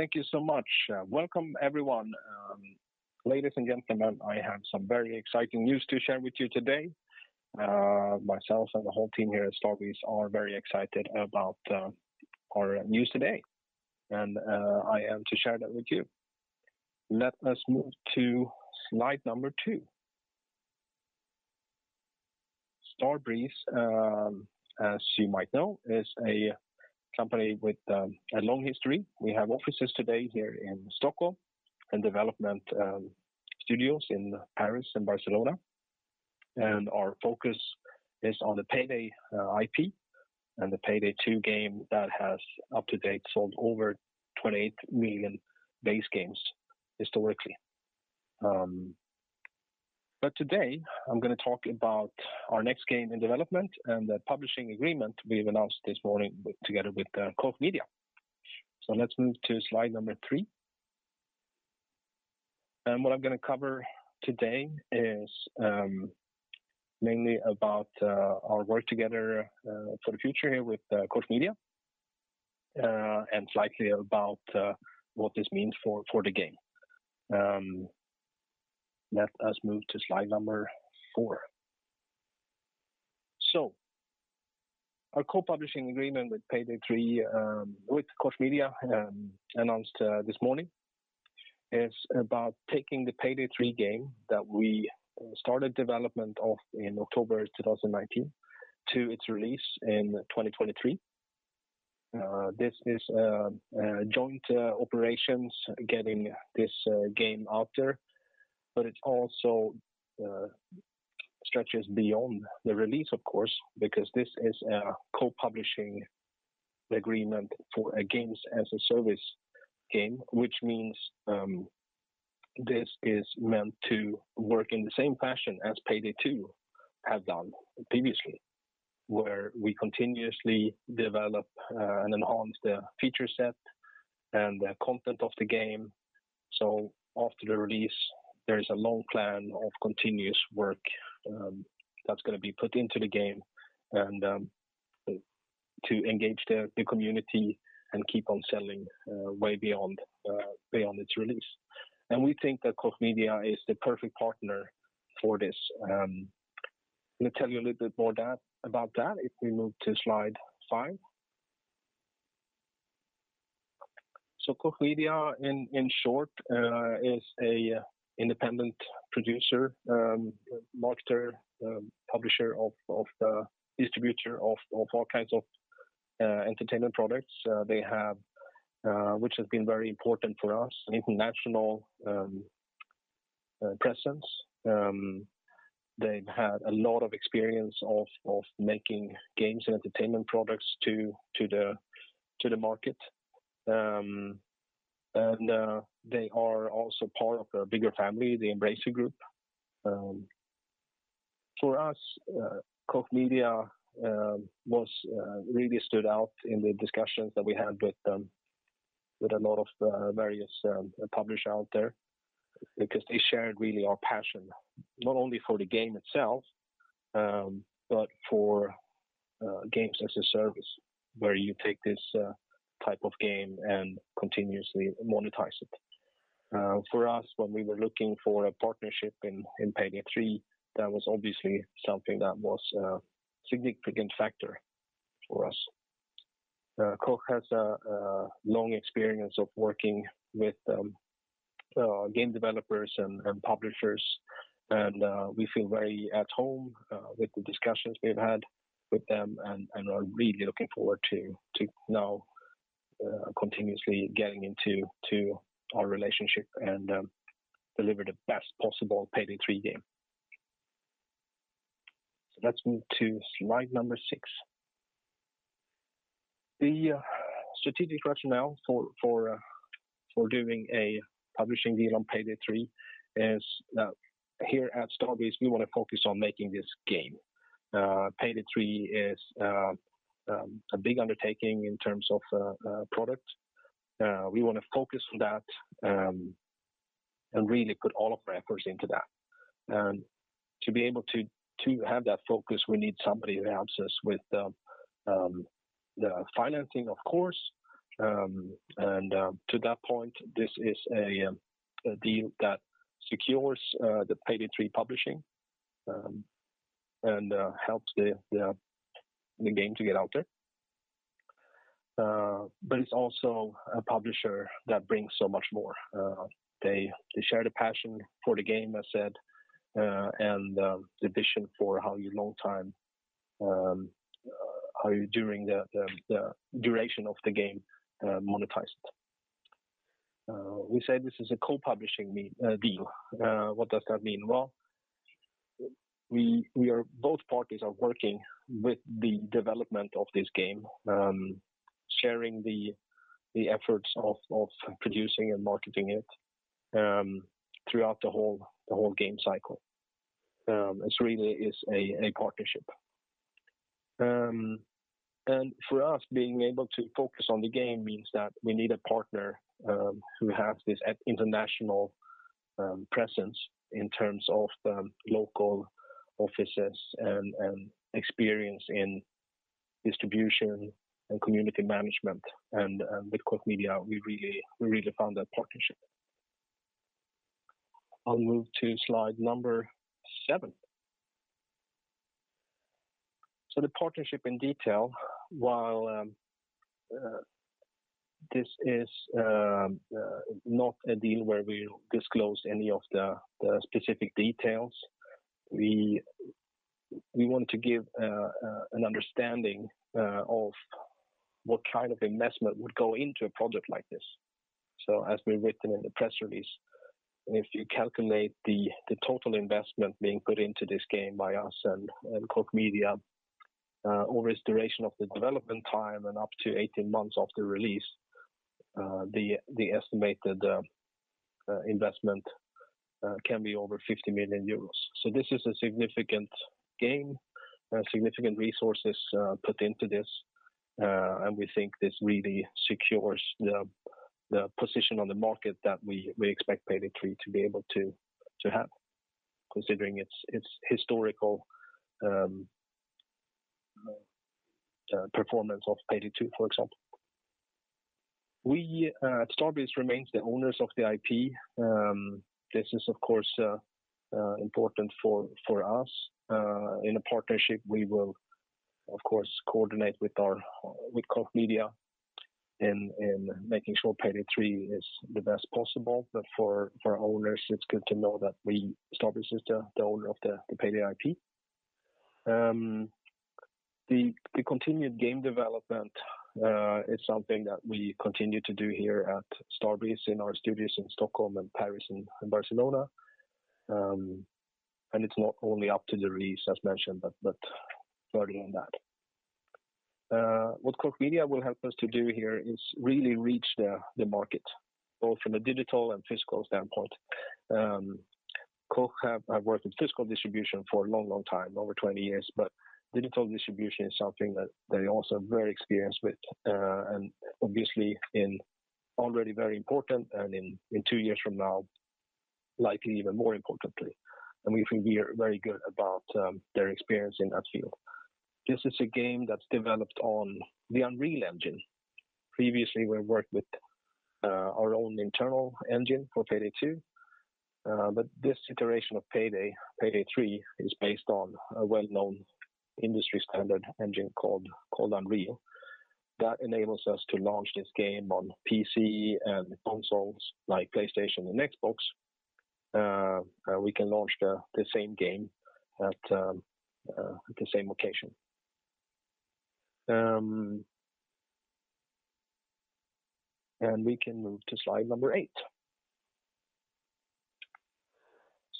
Thank you so much. Welcome everyone. Ladies and gentlemen, I have some very exciting news to share with you today. Myself and the whole team here at Starbreeze are very excited about our news today, and I am to share that with you. Let us move to slide number two. Starbreeze, as you might know, is a company with a long history. We have offices today here in Stockholm and development studios in Paris and Barcelona. Our focus is on the PAYDAY IP and the PAYDAY 2 game that has up to date, sold over 28 million base games historically. Today, I'm going to talk about our next game in development and the publishing agreement we've announced this morning together with Koch Media. Let's move to slide number three. What I'm going to cover today is mainly about our work together for the future here with Koch Media, and slightly about what this means for the game. Let us move to slide number four. Our co-publishing agreement with PAYDAY 3 with Koch Media announced this morning is about taking the PAYDAY 3 game that we started development of in October 2019 to its release in 2023. This is joint operations getting this game out there, but it also stretches beyond the release, of course, because this is a co-publishing agreement for a Games as a Service game. Which means this is meant to work in the same fashion as PAYDAY 2 have done previously, where we continuously develop and enhance the feature set and the content of the game. After the release, there is a long plan of continuous work that's going to be put into the game and to engage the community and keep on selling way beyond its release. We think that Koch Media is the perfect partner for this. Let me tell you a little bit more about that if we move to slide five. Koch Media, in short, is an independent producer, marketer, publisher, distributor of all kinds of entertainment products. They have, which has been very important for us, an international presence. They've had a lot of experience of making games and entertainment products to the market. They are also part of a bigger family, the Embracer Group. For us, Koch Media really stood out in the discussions that we had with a lot of various publishers out there because they shared really our passion, not only for the game itself, but for Games as a Service, where you take this type of game and continuously monetize it. For us, when we were looking for a partnership in PAYDAY 3, that was obviously something that was a significant factor for us. Koch has a long experience of working with game developers and publishers, and we feel very at home with the discussions we've had with them, and are really looking forward to now continuously getting into our relationship and deliver the best possible PAYDAY 3 game. Let's move to slide number six. The strategic rationale for doing a publishing deal on PAYDAY 3 is here at Starbreeze, we want to focus on making this game. PAYDAY 3 is a big undertaking in terms of product. We want to focus on that and really put all of our efforts into that. To be able to have that focus, we need somebody who helps us with the financing, of course, and to that point, this is a deal that secures the PAYDAY 3 publishing, and helps the game to get out there. It's also a publisher that brings so much more. They share the passion for the game, as I said, and the vision for how you during the duration of the game, monetize it. We said this is a co-publishing deal. What does that mean? Both parties are working with the development of this game, sharing the efforts of producing and marketing it throughout the whole game cycle. This really is a partnership. For us, being able to focus on the game means that we need a partner who has this international presence in terms of local offices and experience in distribution and community management. With Koch Media, we really found that partnership. I'll move to slide number seven. The partnership in detail, while this is not a deal where we disclose any of the specific details, we want to give an understanding of what kind of investment would go into a project like this. As we've written in the press release, if you calculate the total investment being put into this game by us and Koch Media over its duration of the development time and up to 18 months after release, the estimated investment can be over 50 million euros. This is a significant game and significant resources put into this. We think this really secures the position on the market that we expect PAYDAY 3 to be able to have considering its historical performance of PAYDAY 2, for example. Starbreeze remains the owners of the IP. This is of course important for us. In a partnership, we will of course coordinate with Koch Media in making sure PAYDAY 3 is the best possible. For owners, it's good to know that Starbreeze is the owner of the PAYDAY IP. The continued game development is something that we continue to do here at Starbreeze in our studios in Stockholm and Paris and Barcelona. It's not only up to the release as mentioned, but further than that. What Koch Media will help us to do here is really reach the market, both from a digital and physical standpoint. Koch have worked with physical distribution for a long time, over 20 years, but digital distribution is something that they are also very experienced with. Obviously already very important, and in two years from now, likely even more importantly. We feel very good about their experience in that field. This is a game that's developed on the Unreal Engine. Previously, we worked with our own internal engine for PAYDAY 2. This iteration of PAYDAY 3 is based on a well-known industry standard engine called Unreal, that enables us to launch this game on PC and consoles like PlayStation and Xbox. We can launch the same game at the same location. We can move to slide number eight.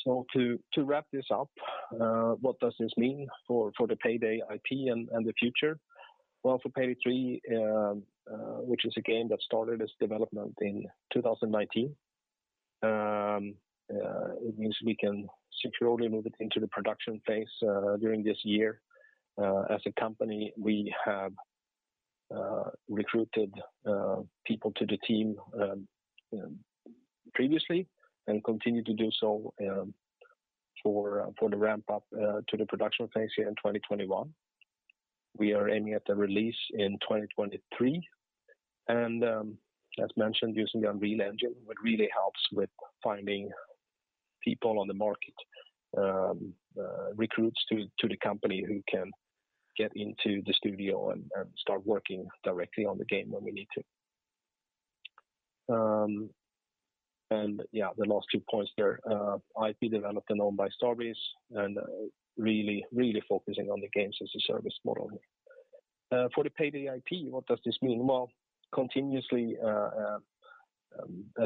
To wrap this up, what does this mean for the PAYDAY IP and the future? Well, for PAYDAY 3, which is a game that started its development in 2019, it means we can securely move it into the production phase during this year. As a company, we have recruited people to the team previously and continue to do so for the ramp-up to the production phase here in 2021. We are aiming at a release in 2023. As mentioned, using the Unreal Engine, it really helps with finding people on the market, recruits to the company who can get into the studio and start working directly on the game when we need to. The last two points there, IP developed and owned by Starbreeze and really focusing on the Games as a Service model. For the PAYDAY IP, what does this mean? Well, continuously a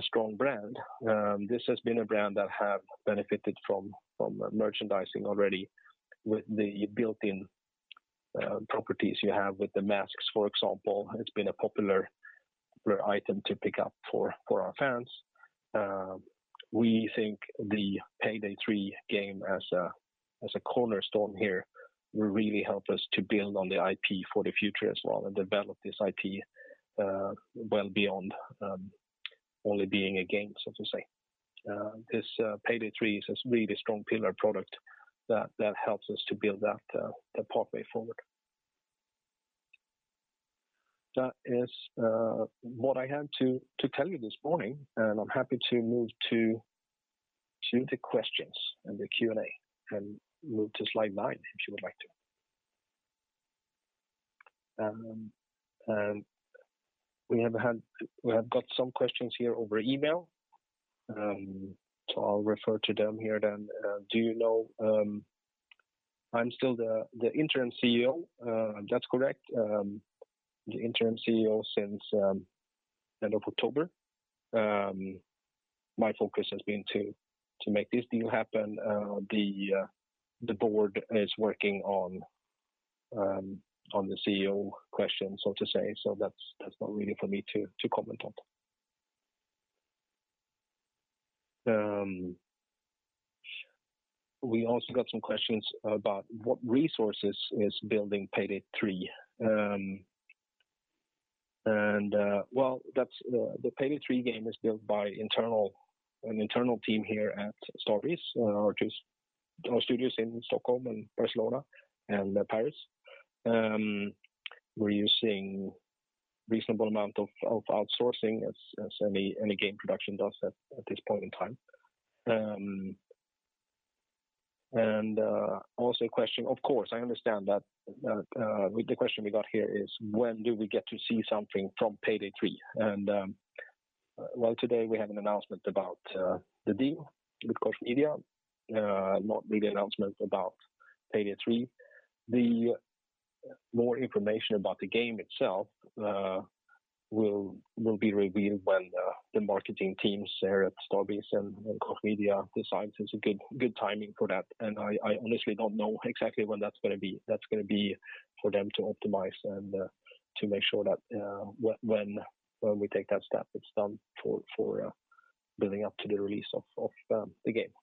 strong brand. This has been a brand that have benefited from merchandising already with the built-in properties you have with the masks, for example. It's been a popular item to pick up for our fans. We think the PAYDAY 3 game as a cornerstone here will really help us to build on the IP for the future as well and develop this IP well beyond only being a game so to say. This PAYDAY 3 is a really strong pillar product that helps us to build that pathway forward. That is what I have to tell you this morning. I'm happy to move to the questions and the Q&A, and move to slide nine if you would like to. We have got some questions here over email. I'll refer to them here then. Do you know I'm still the interim CEO, that's correct. The interim CEO since end of October. My focus has been to make this deal happen. The board is working on the CEO question, so to say, so that's not really for me to comment on. We also got some questions about what resources is building PAYDAY 3. Well, the PAYDAY 3 game is built by an internal team here at Starbreeze, our studios in Stockholm and Barcelona and Paris. We're using reasonable amount of outsourcing as any game production does at this point in time. Also a question, of course, I understand that the question we got here is, when do we get to see something from PAYDAY 3? Well, today we have an announcement about the deal with Koch Media, not really an announcement about PAYDAY 3. The more information about the game itself will be revealed when the marketing teams there at Starbreeze and Koch Media decides it's a good timing for that. I honestly don't know exactly when that's going to be. That's going to be for them to optimize and to make sure that when we take that step, it's done for building up to the release of the game.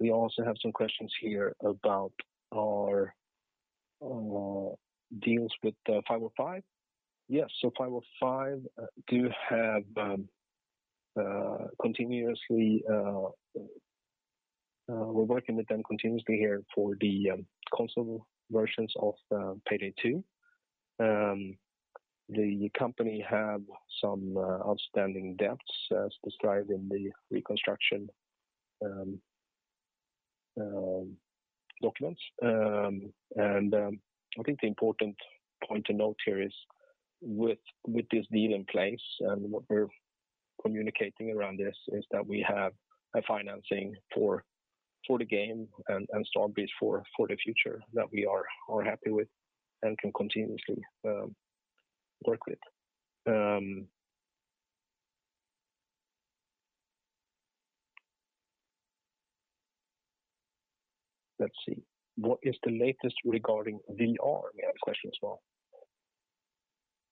We also have some questions here about our deals with 505. Yes, 505, we're working with them continuously here for the console versions of PAYDAY 2. The company have some outstanding debts as described in the reconstruction documents. I think the important point to note here is with this deal in place and what we're communicating around this, is that we have a financing for the game and Starbreeze for the future that we are happy with and can continuously work with. Let's see. What is the latest regarding VR, we have questions for.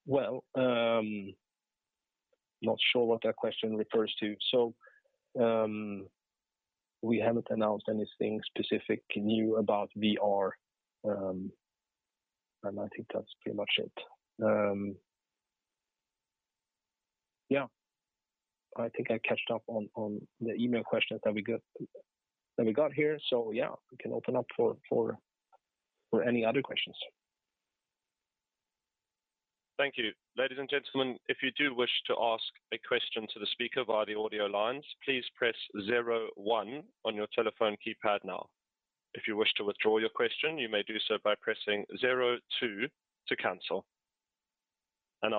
Well, not sure what that question refers to. We haven't announced anything specific new about VR. I think that's pretty much it. I think I catched up on the email questions that we got here. Yeah, we can open up for any other questions. Thank you. Ladies and gentlemen, if you do wish to ask a question to the speaker via the audio line, please press zero one on your telephone keypad now. If you wish to withdraw your question you may do so by pressing zero two to cancel.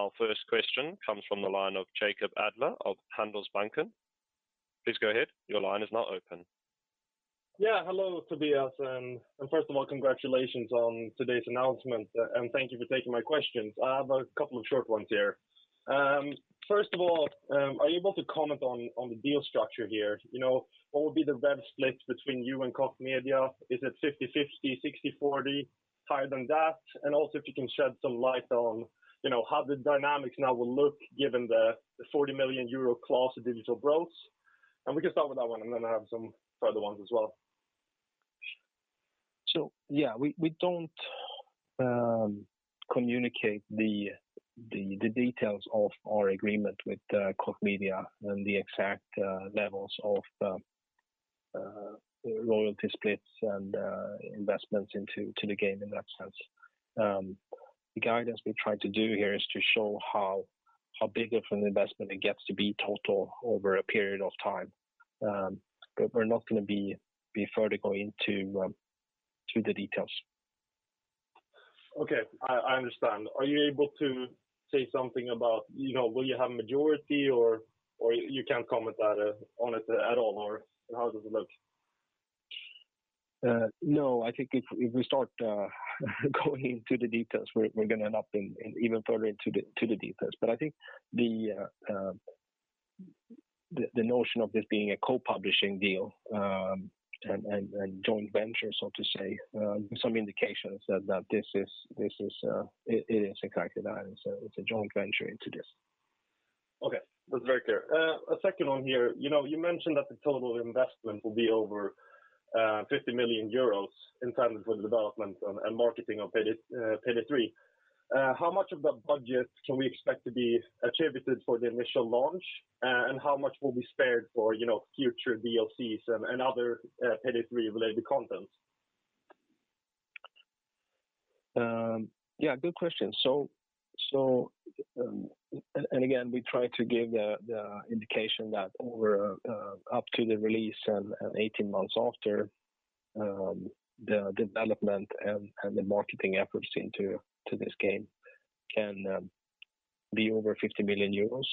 Our first question comes from the line of Jacob Edler of Handelsbanken. Please go ahead. Your line is now open. Yeah. Hello, Tobias, and first of all, congratulations on today's announcement and thank you for taking my questions. I have a couple of short ones here. First of all, are you able to comment on the deal structure here? What would be the rev split between you and Koch Media? Is it 50/50, 60/40, higher than that? If you can shed some light on how the dynamics now will look given the 40 million euro clause of digital gross. I have some further ones as well. Yeah, we don't communicate the details of our agreement with Koch Media and the exact levels of the royalty splits and investments into the game in that sense. The guidance we try to do here is to show how big of an investment it gets to be total over a period of time. We're not going to be further going into the details. Okay. I understand. Are you able to say something about will you have majority or you can't comment on it at all, or how does it look? No, I think if we start going into the details, we're going to end up even further into the details. I think the notion of this being a co-publishing deal and joint venture, so to say, some indications that it is exactly that. It's a joint venture into this. Okay. That's very clear. A second one here. You mentioned that the total investment will be over 50 million euros in terms of the development and marketing of PAYDAY 3. How much of the budget can we expect to be attributed for the initial launch, and how much will be spared for future DLCs and other PAYDAY 3 related content? Yeah. Good question. Again, we try to give the indication that over up to the release and 18 months after, the development and the marketing efforts into this game can be over 50 million euros.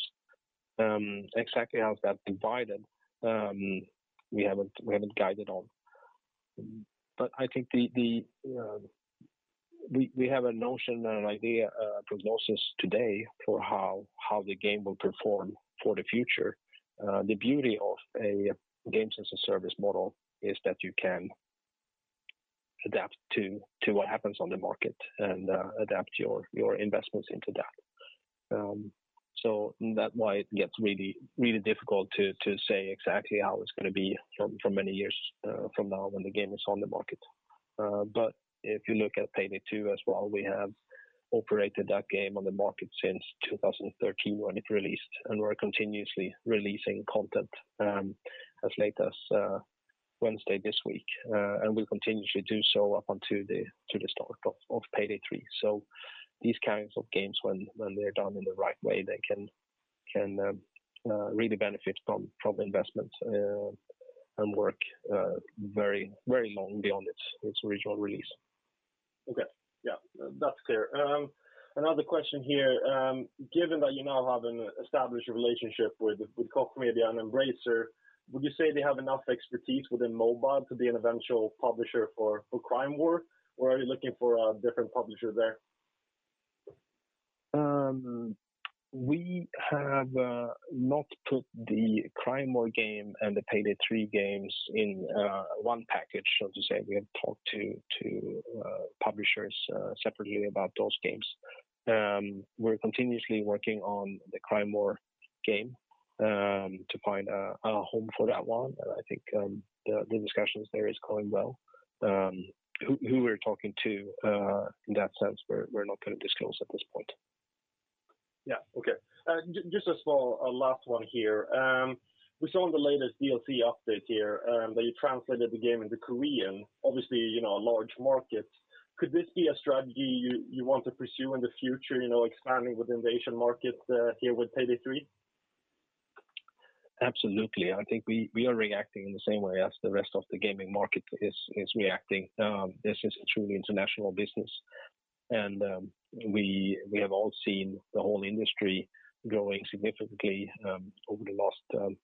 Exactly how is that divided, we haven't guided on. I think we have a notion and an idea, a prognosis today for how the game will perform for the future. The beauty of a Games as a Service model is that you can adapt to what happens on the market and adapt your investments into that. That's why it gets really difficult to say exactly how it's going to be for many years from now when the game is on the market. If you look at PAYDAY 2 as well, we have operated that game on the market since 2013 when it released, and we are continuously releasing content as late as Wednesday this week. We'll continuously do so up until the start of PAYDAY 3. These kinds of games, when they are done in the right way, they can really benefit from investments and work very long beyond its original release. Okay. Yeah. That's clear. Another question here. Given that you now have an established relationship with Koch Media and Embracer, would you say they have enough expertise within MOBA to be an eventual publisher for Crime War, or are you looking for a different publisher there? We have not put the Crime War game and the PAYDAY 3 games in one package, so to say. We have talked to publishers separately about those games. We're continuously working on the Crime War game to find a home for that one, and I think the discussions there is going well. Who we're talking to in that sense, we're not going to disclose at this point. Yeah. Okay. Just a small last one here. We saw in the latest DLC update here that you translated the game into Korean, obviously, a large market. Could this be a strategy you want to pursue in the future, expanding within the Asian market here with PAYDAY 3? Absolutely. I think we are reacting in the same way as the rest of the gaming market is reacting. This is a truly international business, and we have all seen the whole industry growing significantly over the last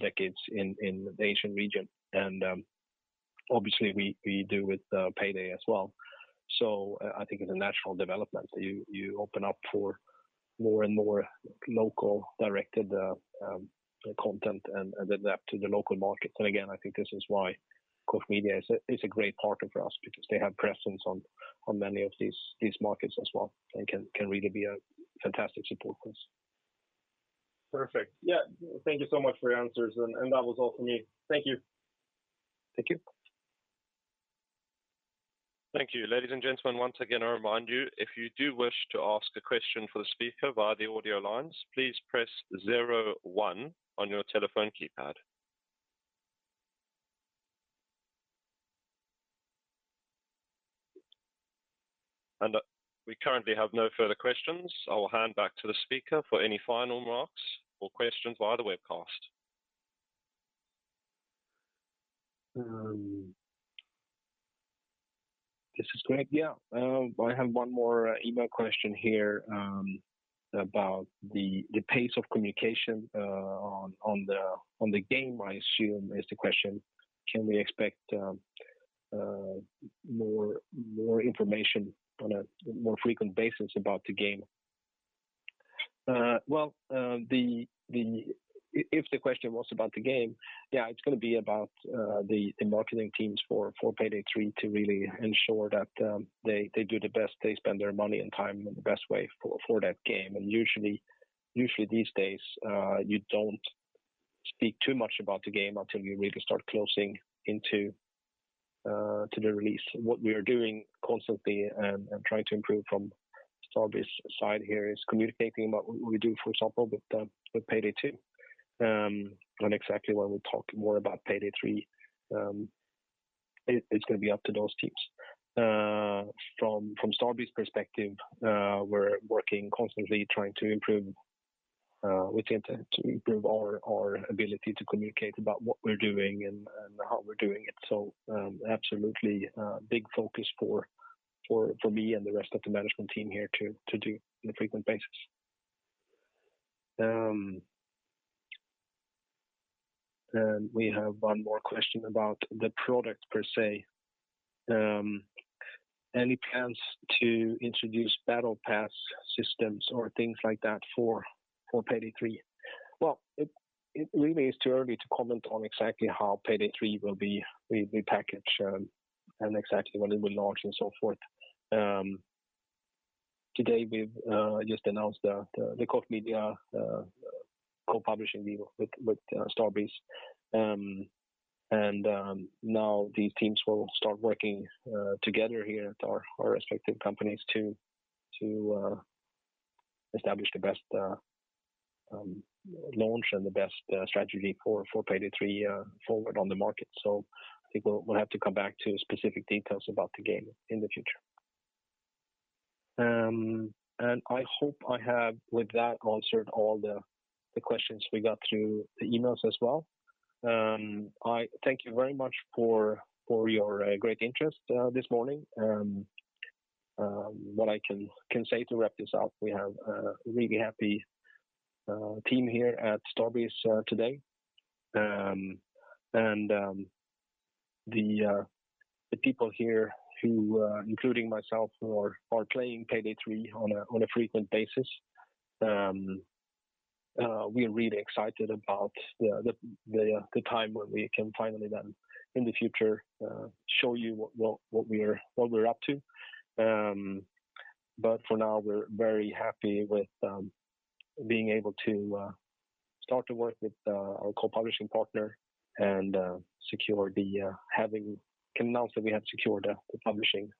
decades in the Asian region, and obviously we do with PAYDAY as well. I think it's a natural development that you open up for more and more local-directed content and adapt to the local markets. Again, I think this is why Koch Media is a great partner for us because they have presence on many of these markets as well, and can really be a fantastic support for us. Perfect. Yeah. Thank you so much for your answers. That was all from me. Thank you. Thank you. Thank you. Ladies and gentlemen, once again, I remind you, if you do wish to ask a question for the speaker via the audio lines, please press zero one on your telephone keypad. We currently have no further questions. I will hand back to the speaker for any final remarks or questions via the webcast. This is Greg. Yeah. I have one more email question here about the pace of communication on the game, I assume is the question. Can we expect more information on a more frequent basis about the game? Well, if the question was about the game, yeah, it's going to be about the marketing teams for PAYDAY 3 to really ensure that they do the best, they spend their money and time in the best way for that game. Usually these days, you don't speak too much about the game until you really start closing into the release. What we are doing constantly and trying to improve from Starbreeze side here is communicating about what we do, for example, with PAYDAY 2. Exactly when we'll talk more about PAYDAY 3, it's going to be up to those teams. From Starbreeze perspective, we're working constantly trying to improve our ability to communicate about what we're doing and how we're doing it. Absolutely a big focus for me and the rest of the management team here to do on a frequent basis. We have one more question about the product, per se. Any plans to introduce battle pass systems or things like that for Payday 3? Well, it really is too early to comment on exactly how Payday 3 will be packaged and exactly when it will launch and so forth. Today we've just announced the Koch Media co-publishing deal with Starbreeze. Now these teams will start working together here at our respective companies to establish the best launch and the best strategy for PAYDAY 3 forward on the market. I think we'll have to come back to specific details about the game in the future. I hope I have, with that, answered all the questions we got through the emails as well. I thank you very much for your great interest this morning. What I can say to wrap this up, we have a really happy team here at Starbreeze today. The people here who, including myself, are playing PAYDAY 3 on a frequent basis. We are really excited about the time when we can finally then, in the future, show you what we're up to. For now, we're very happy with being able to start to work with our co-publishing partner and can announce that we have secured the publishing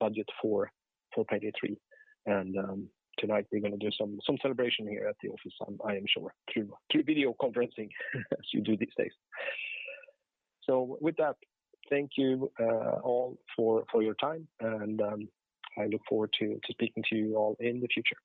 budget for PAYDAY 3. Tonight we're going to do some celebration here at the office, I am sure, through video conferencing, as you do these days. With that, thank you all for your time, and I look forward to speaking to you all in the future.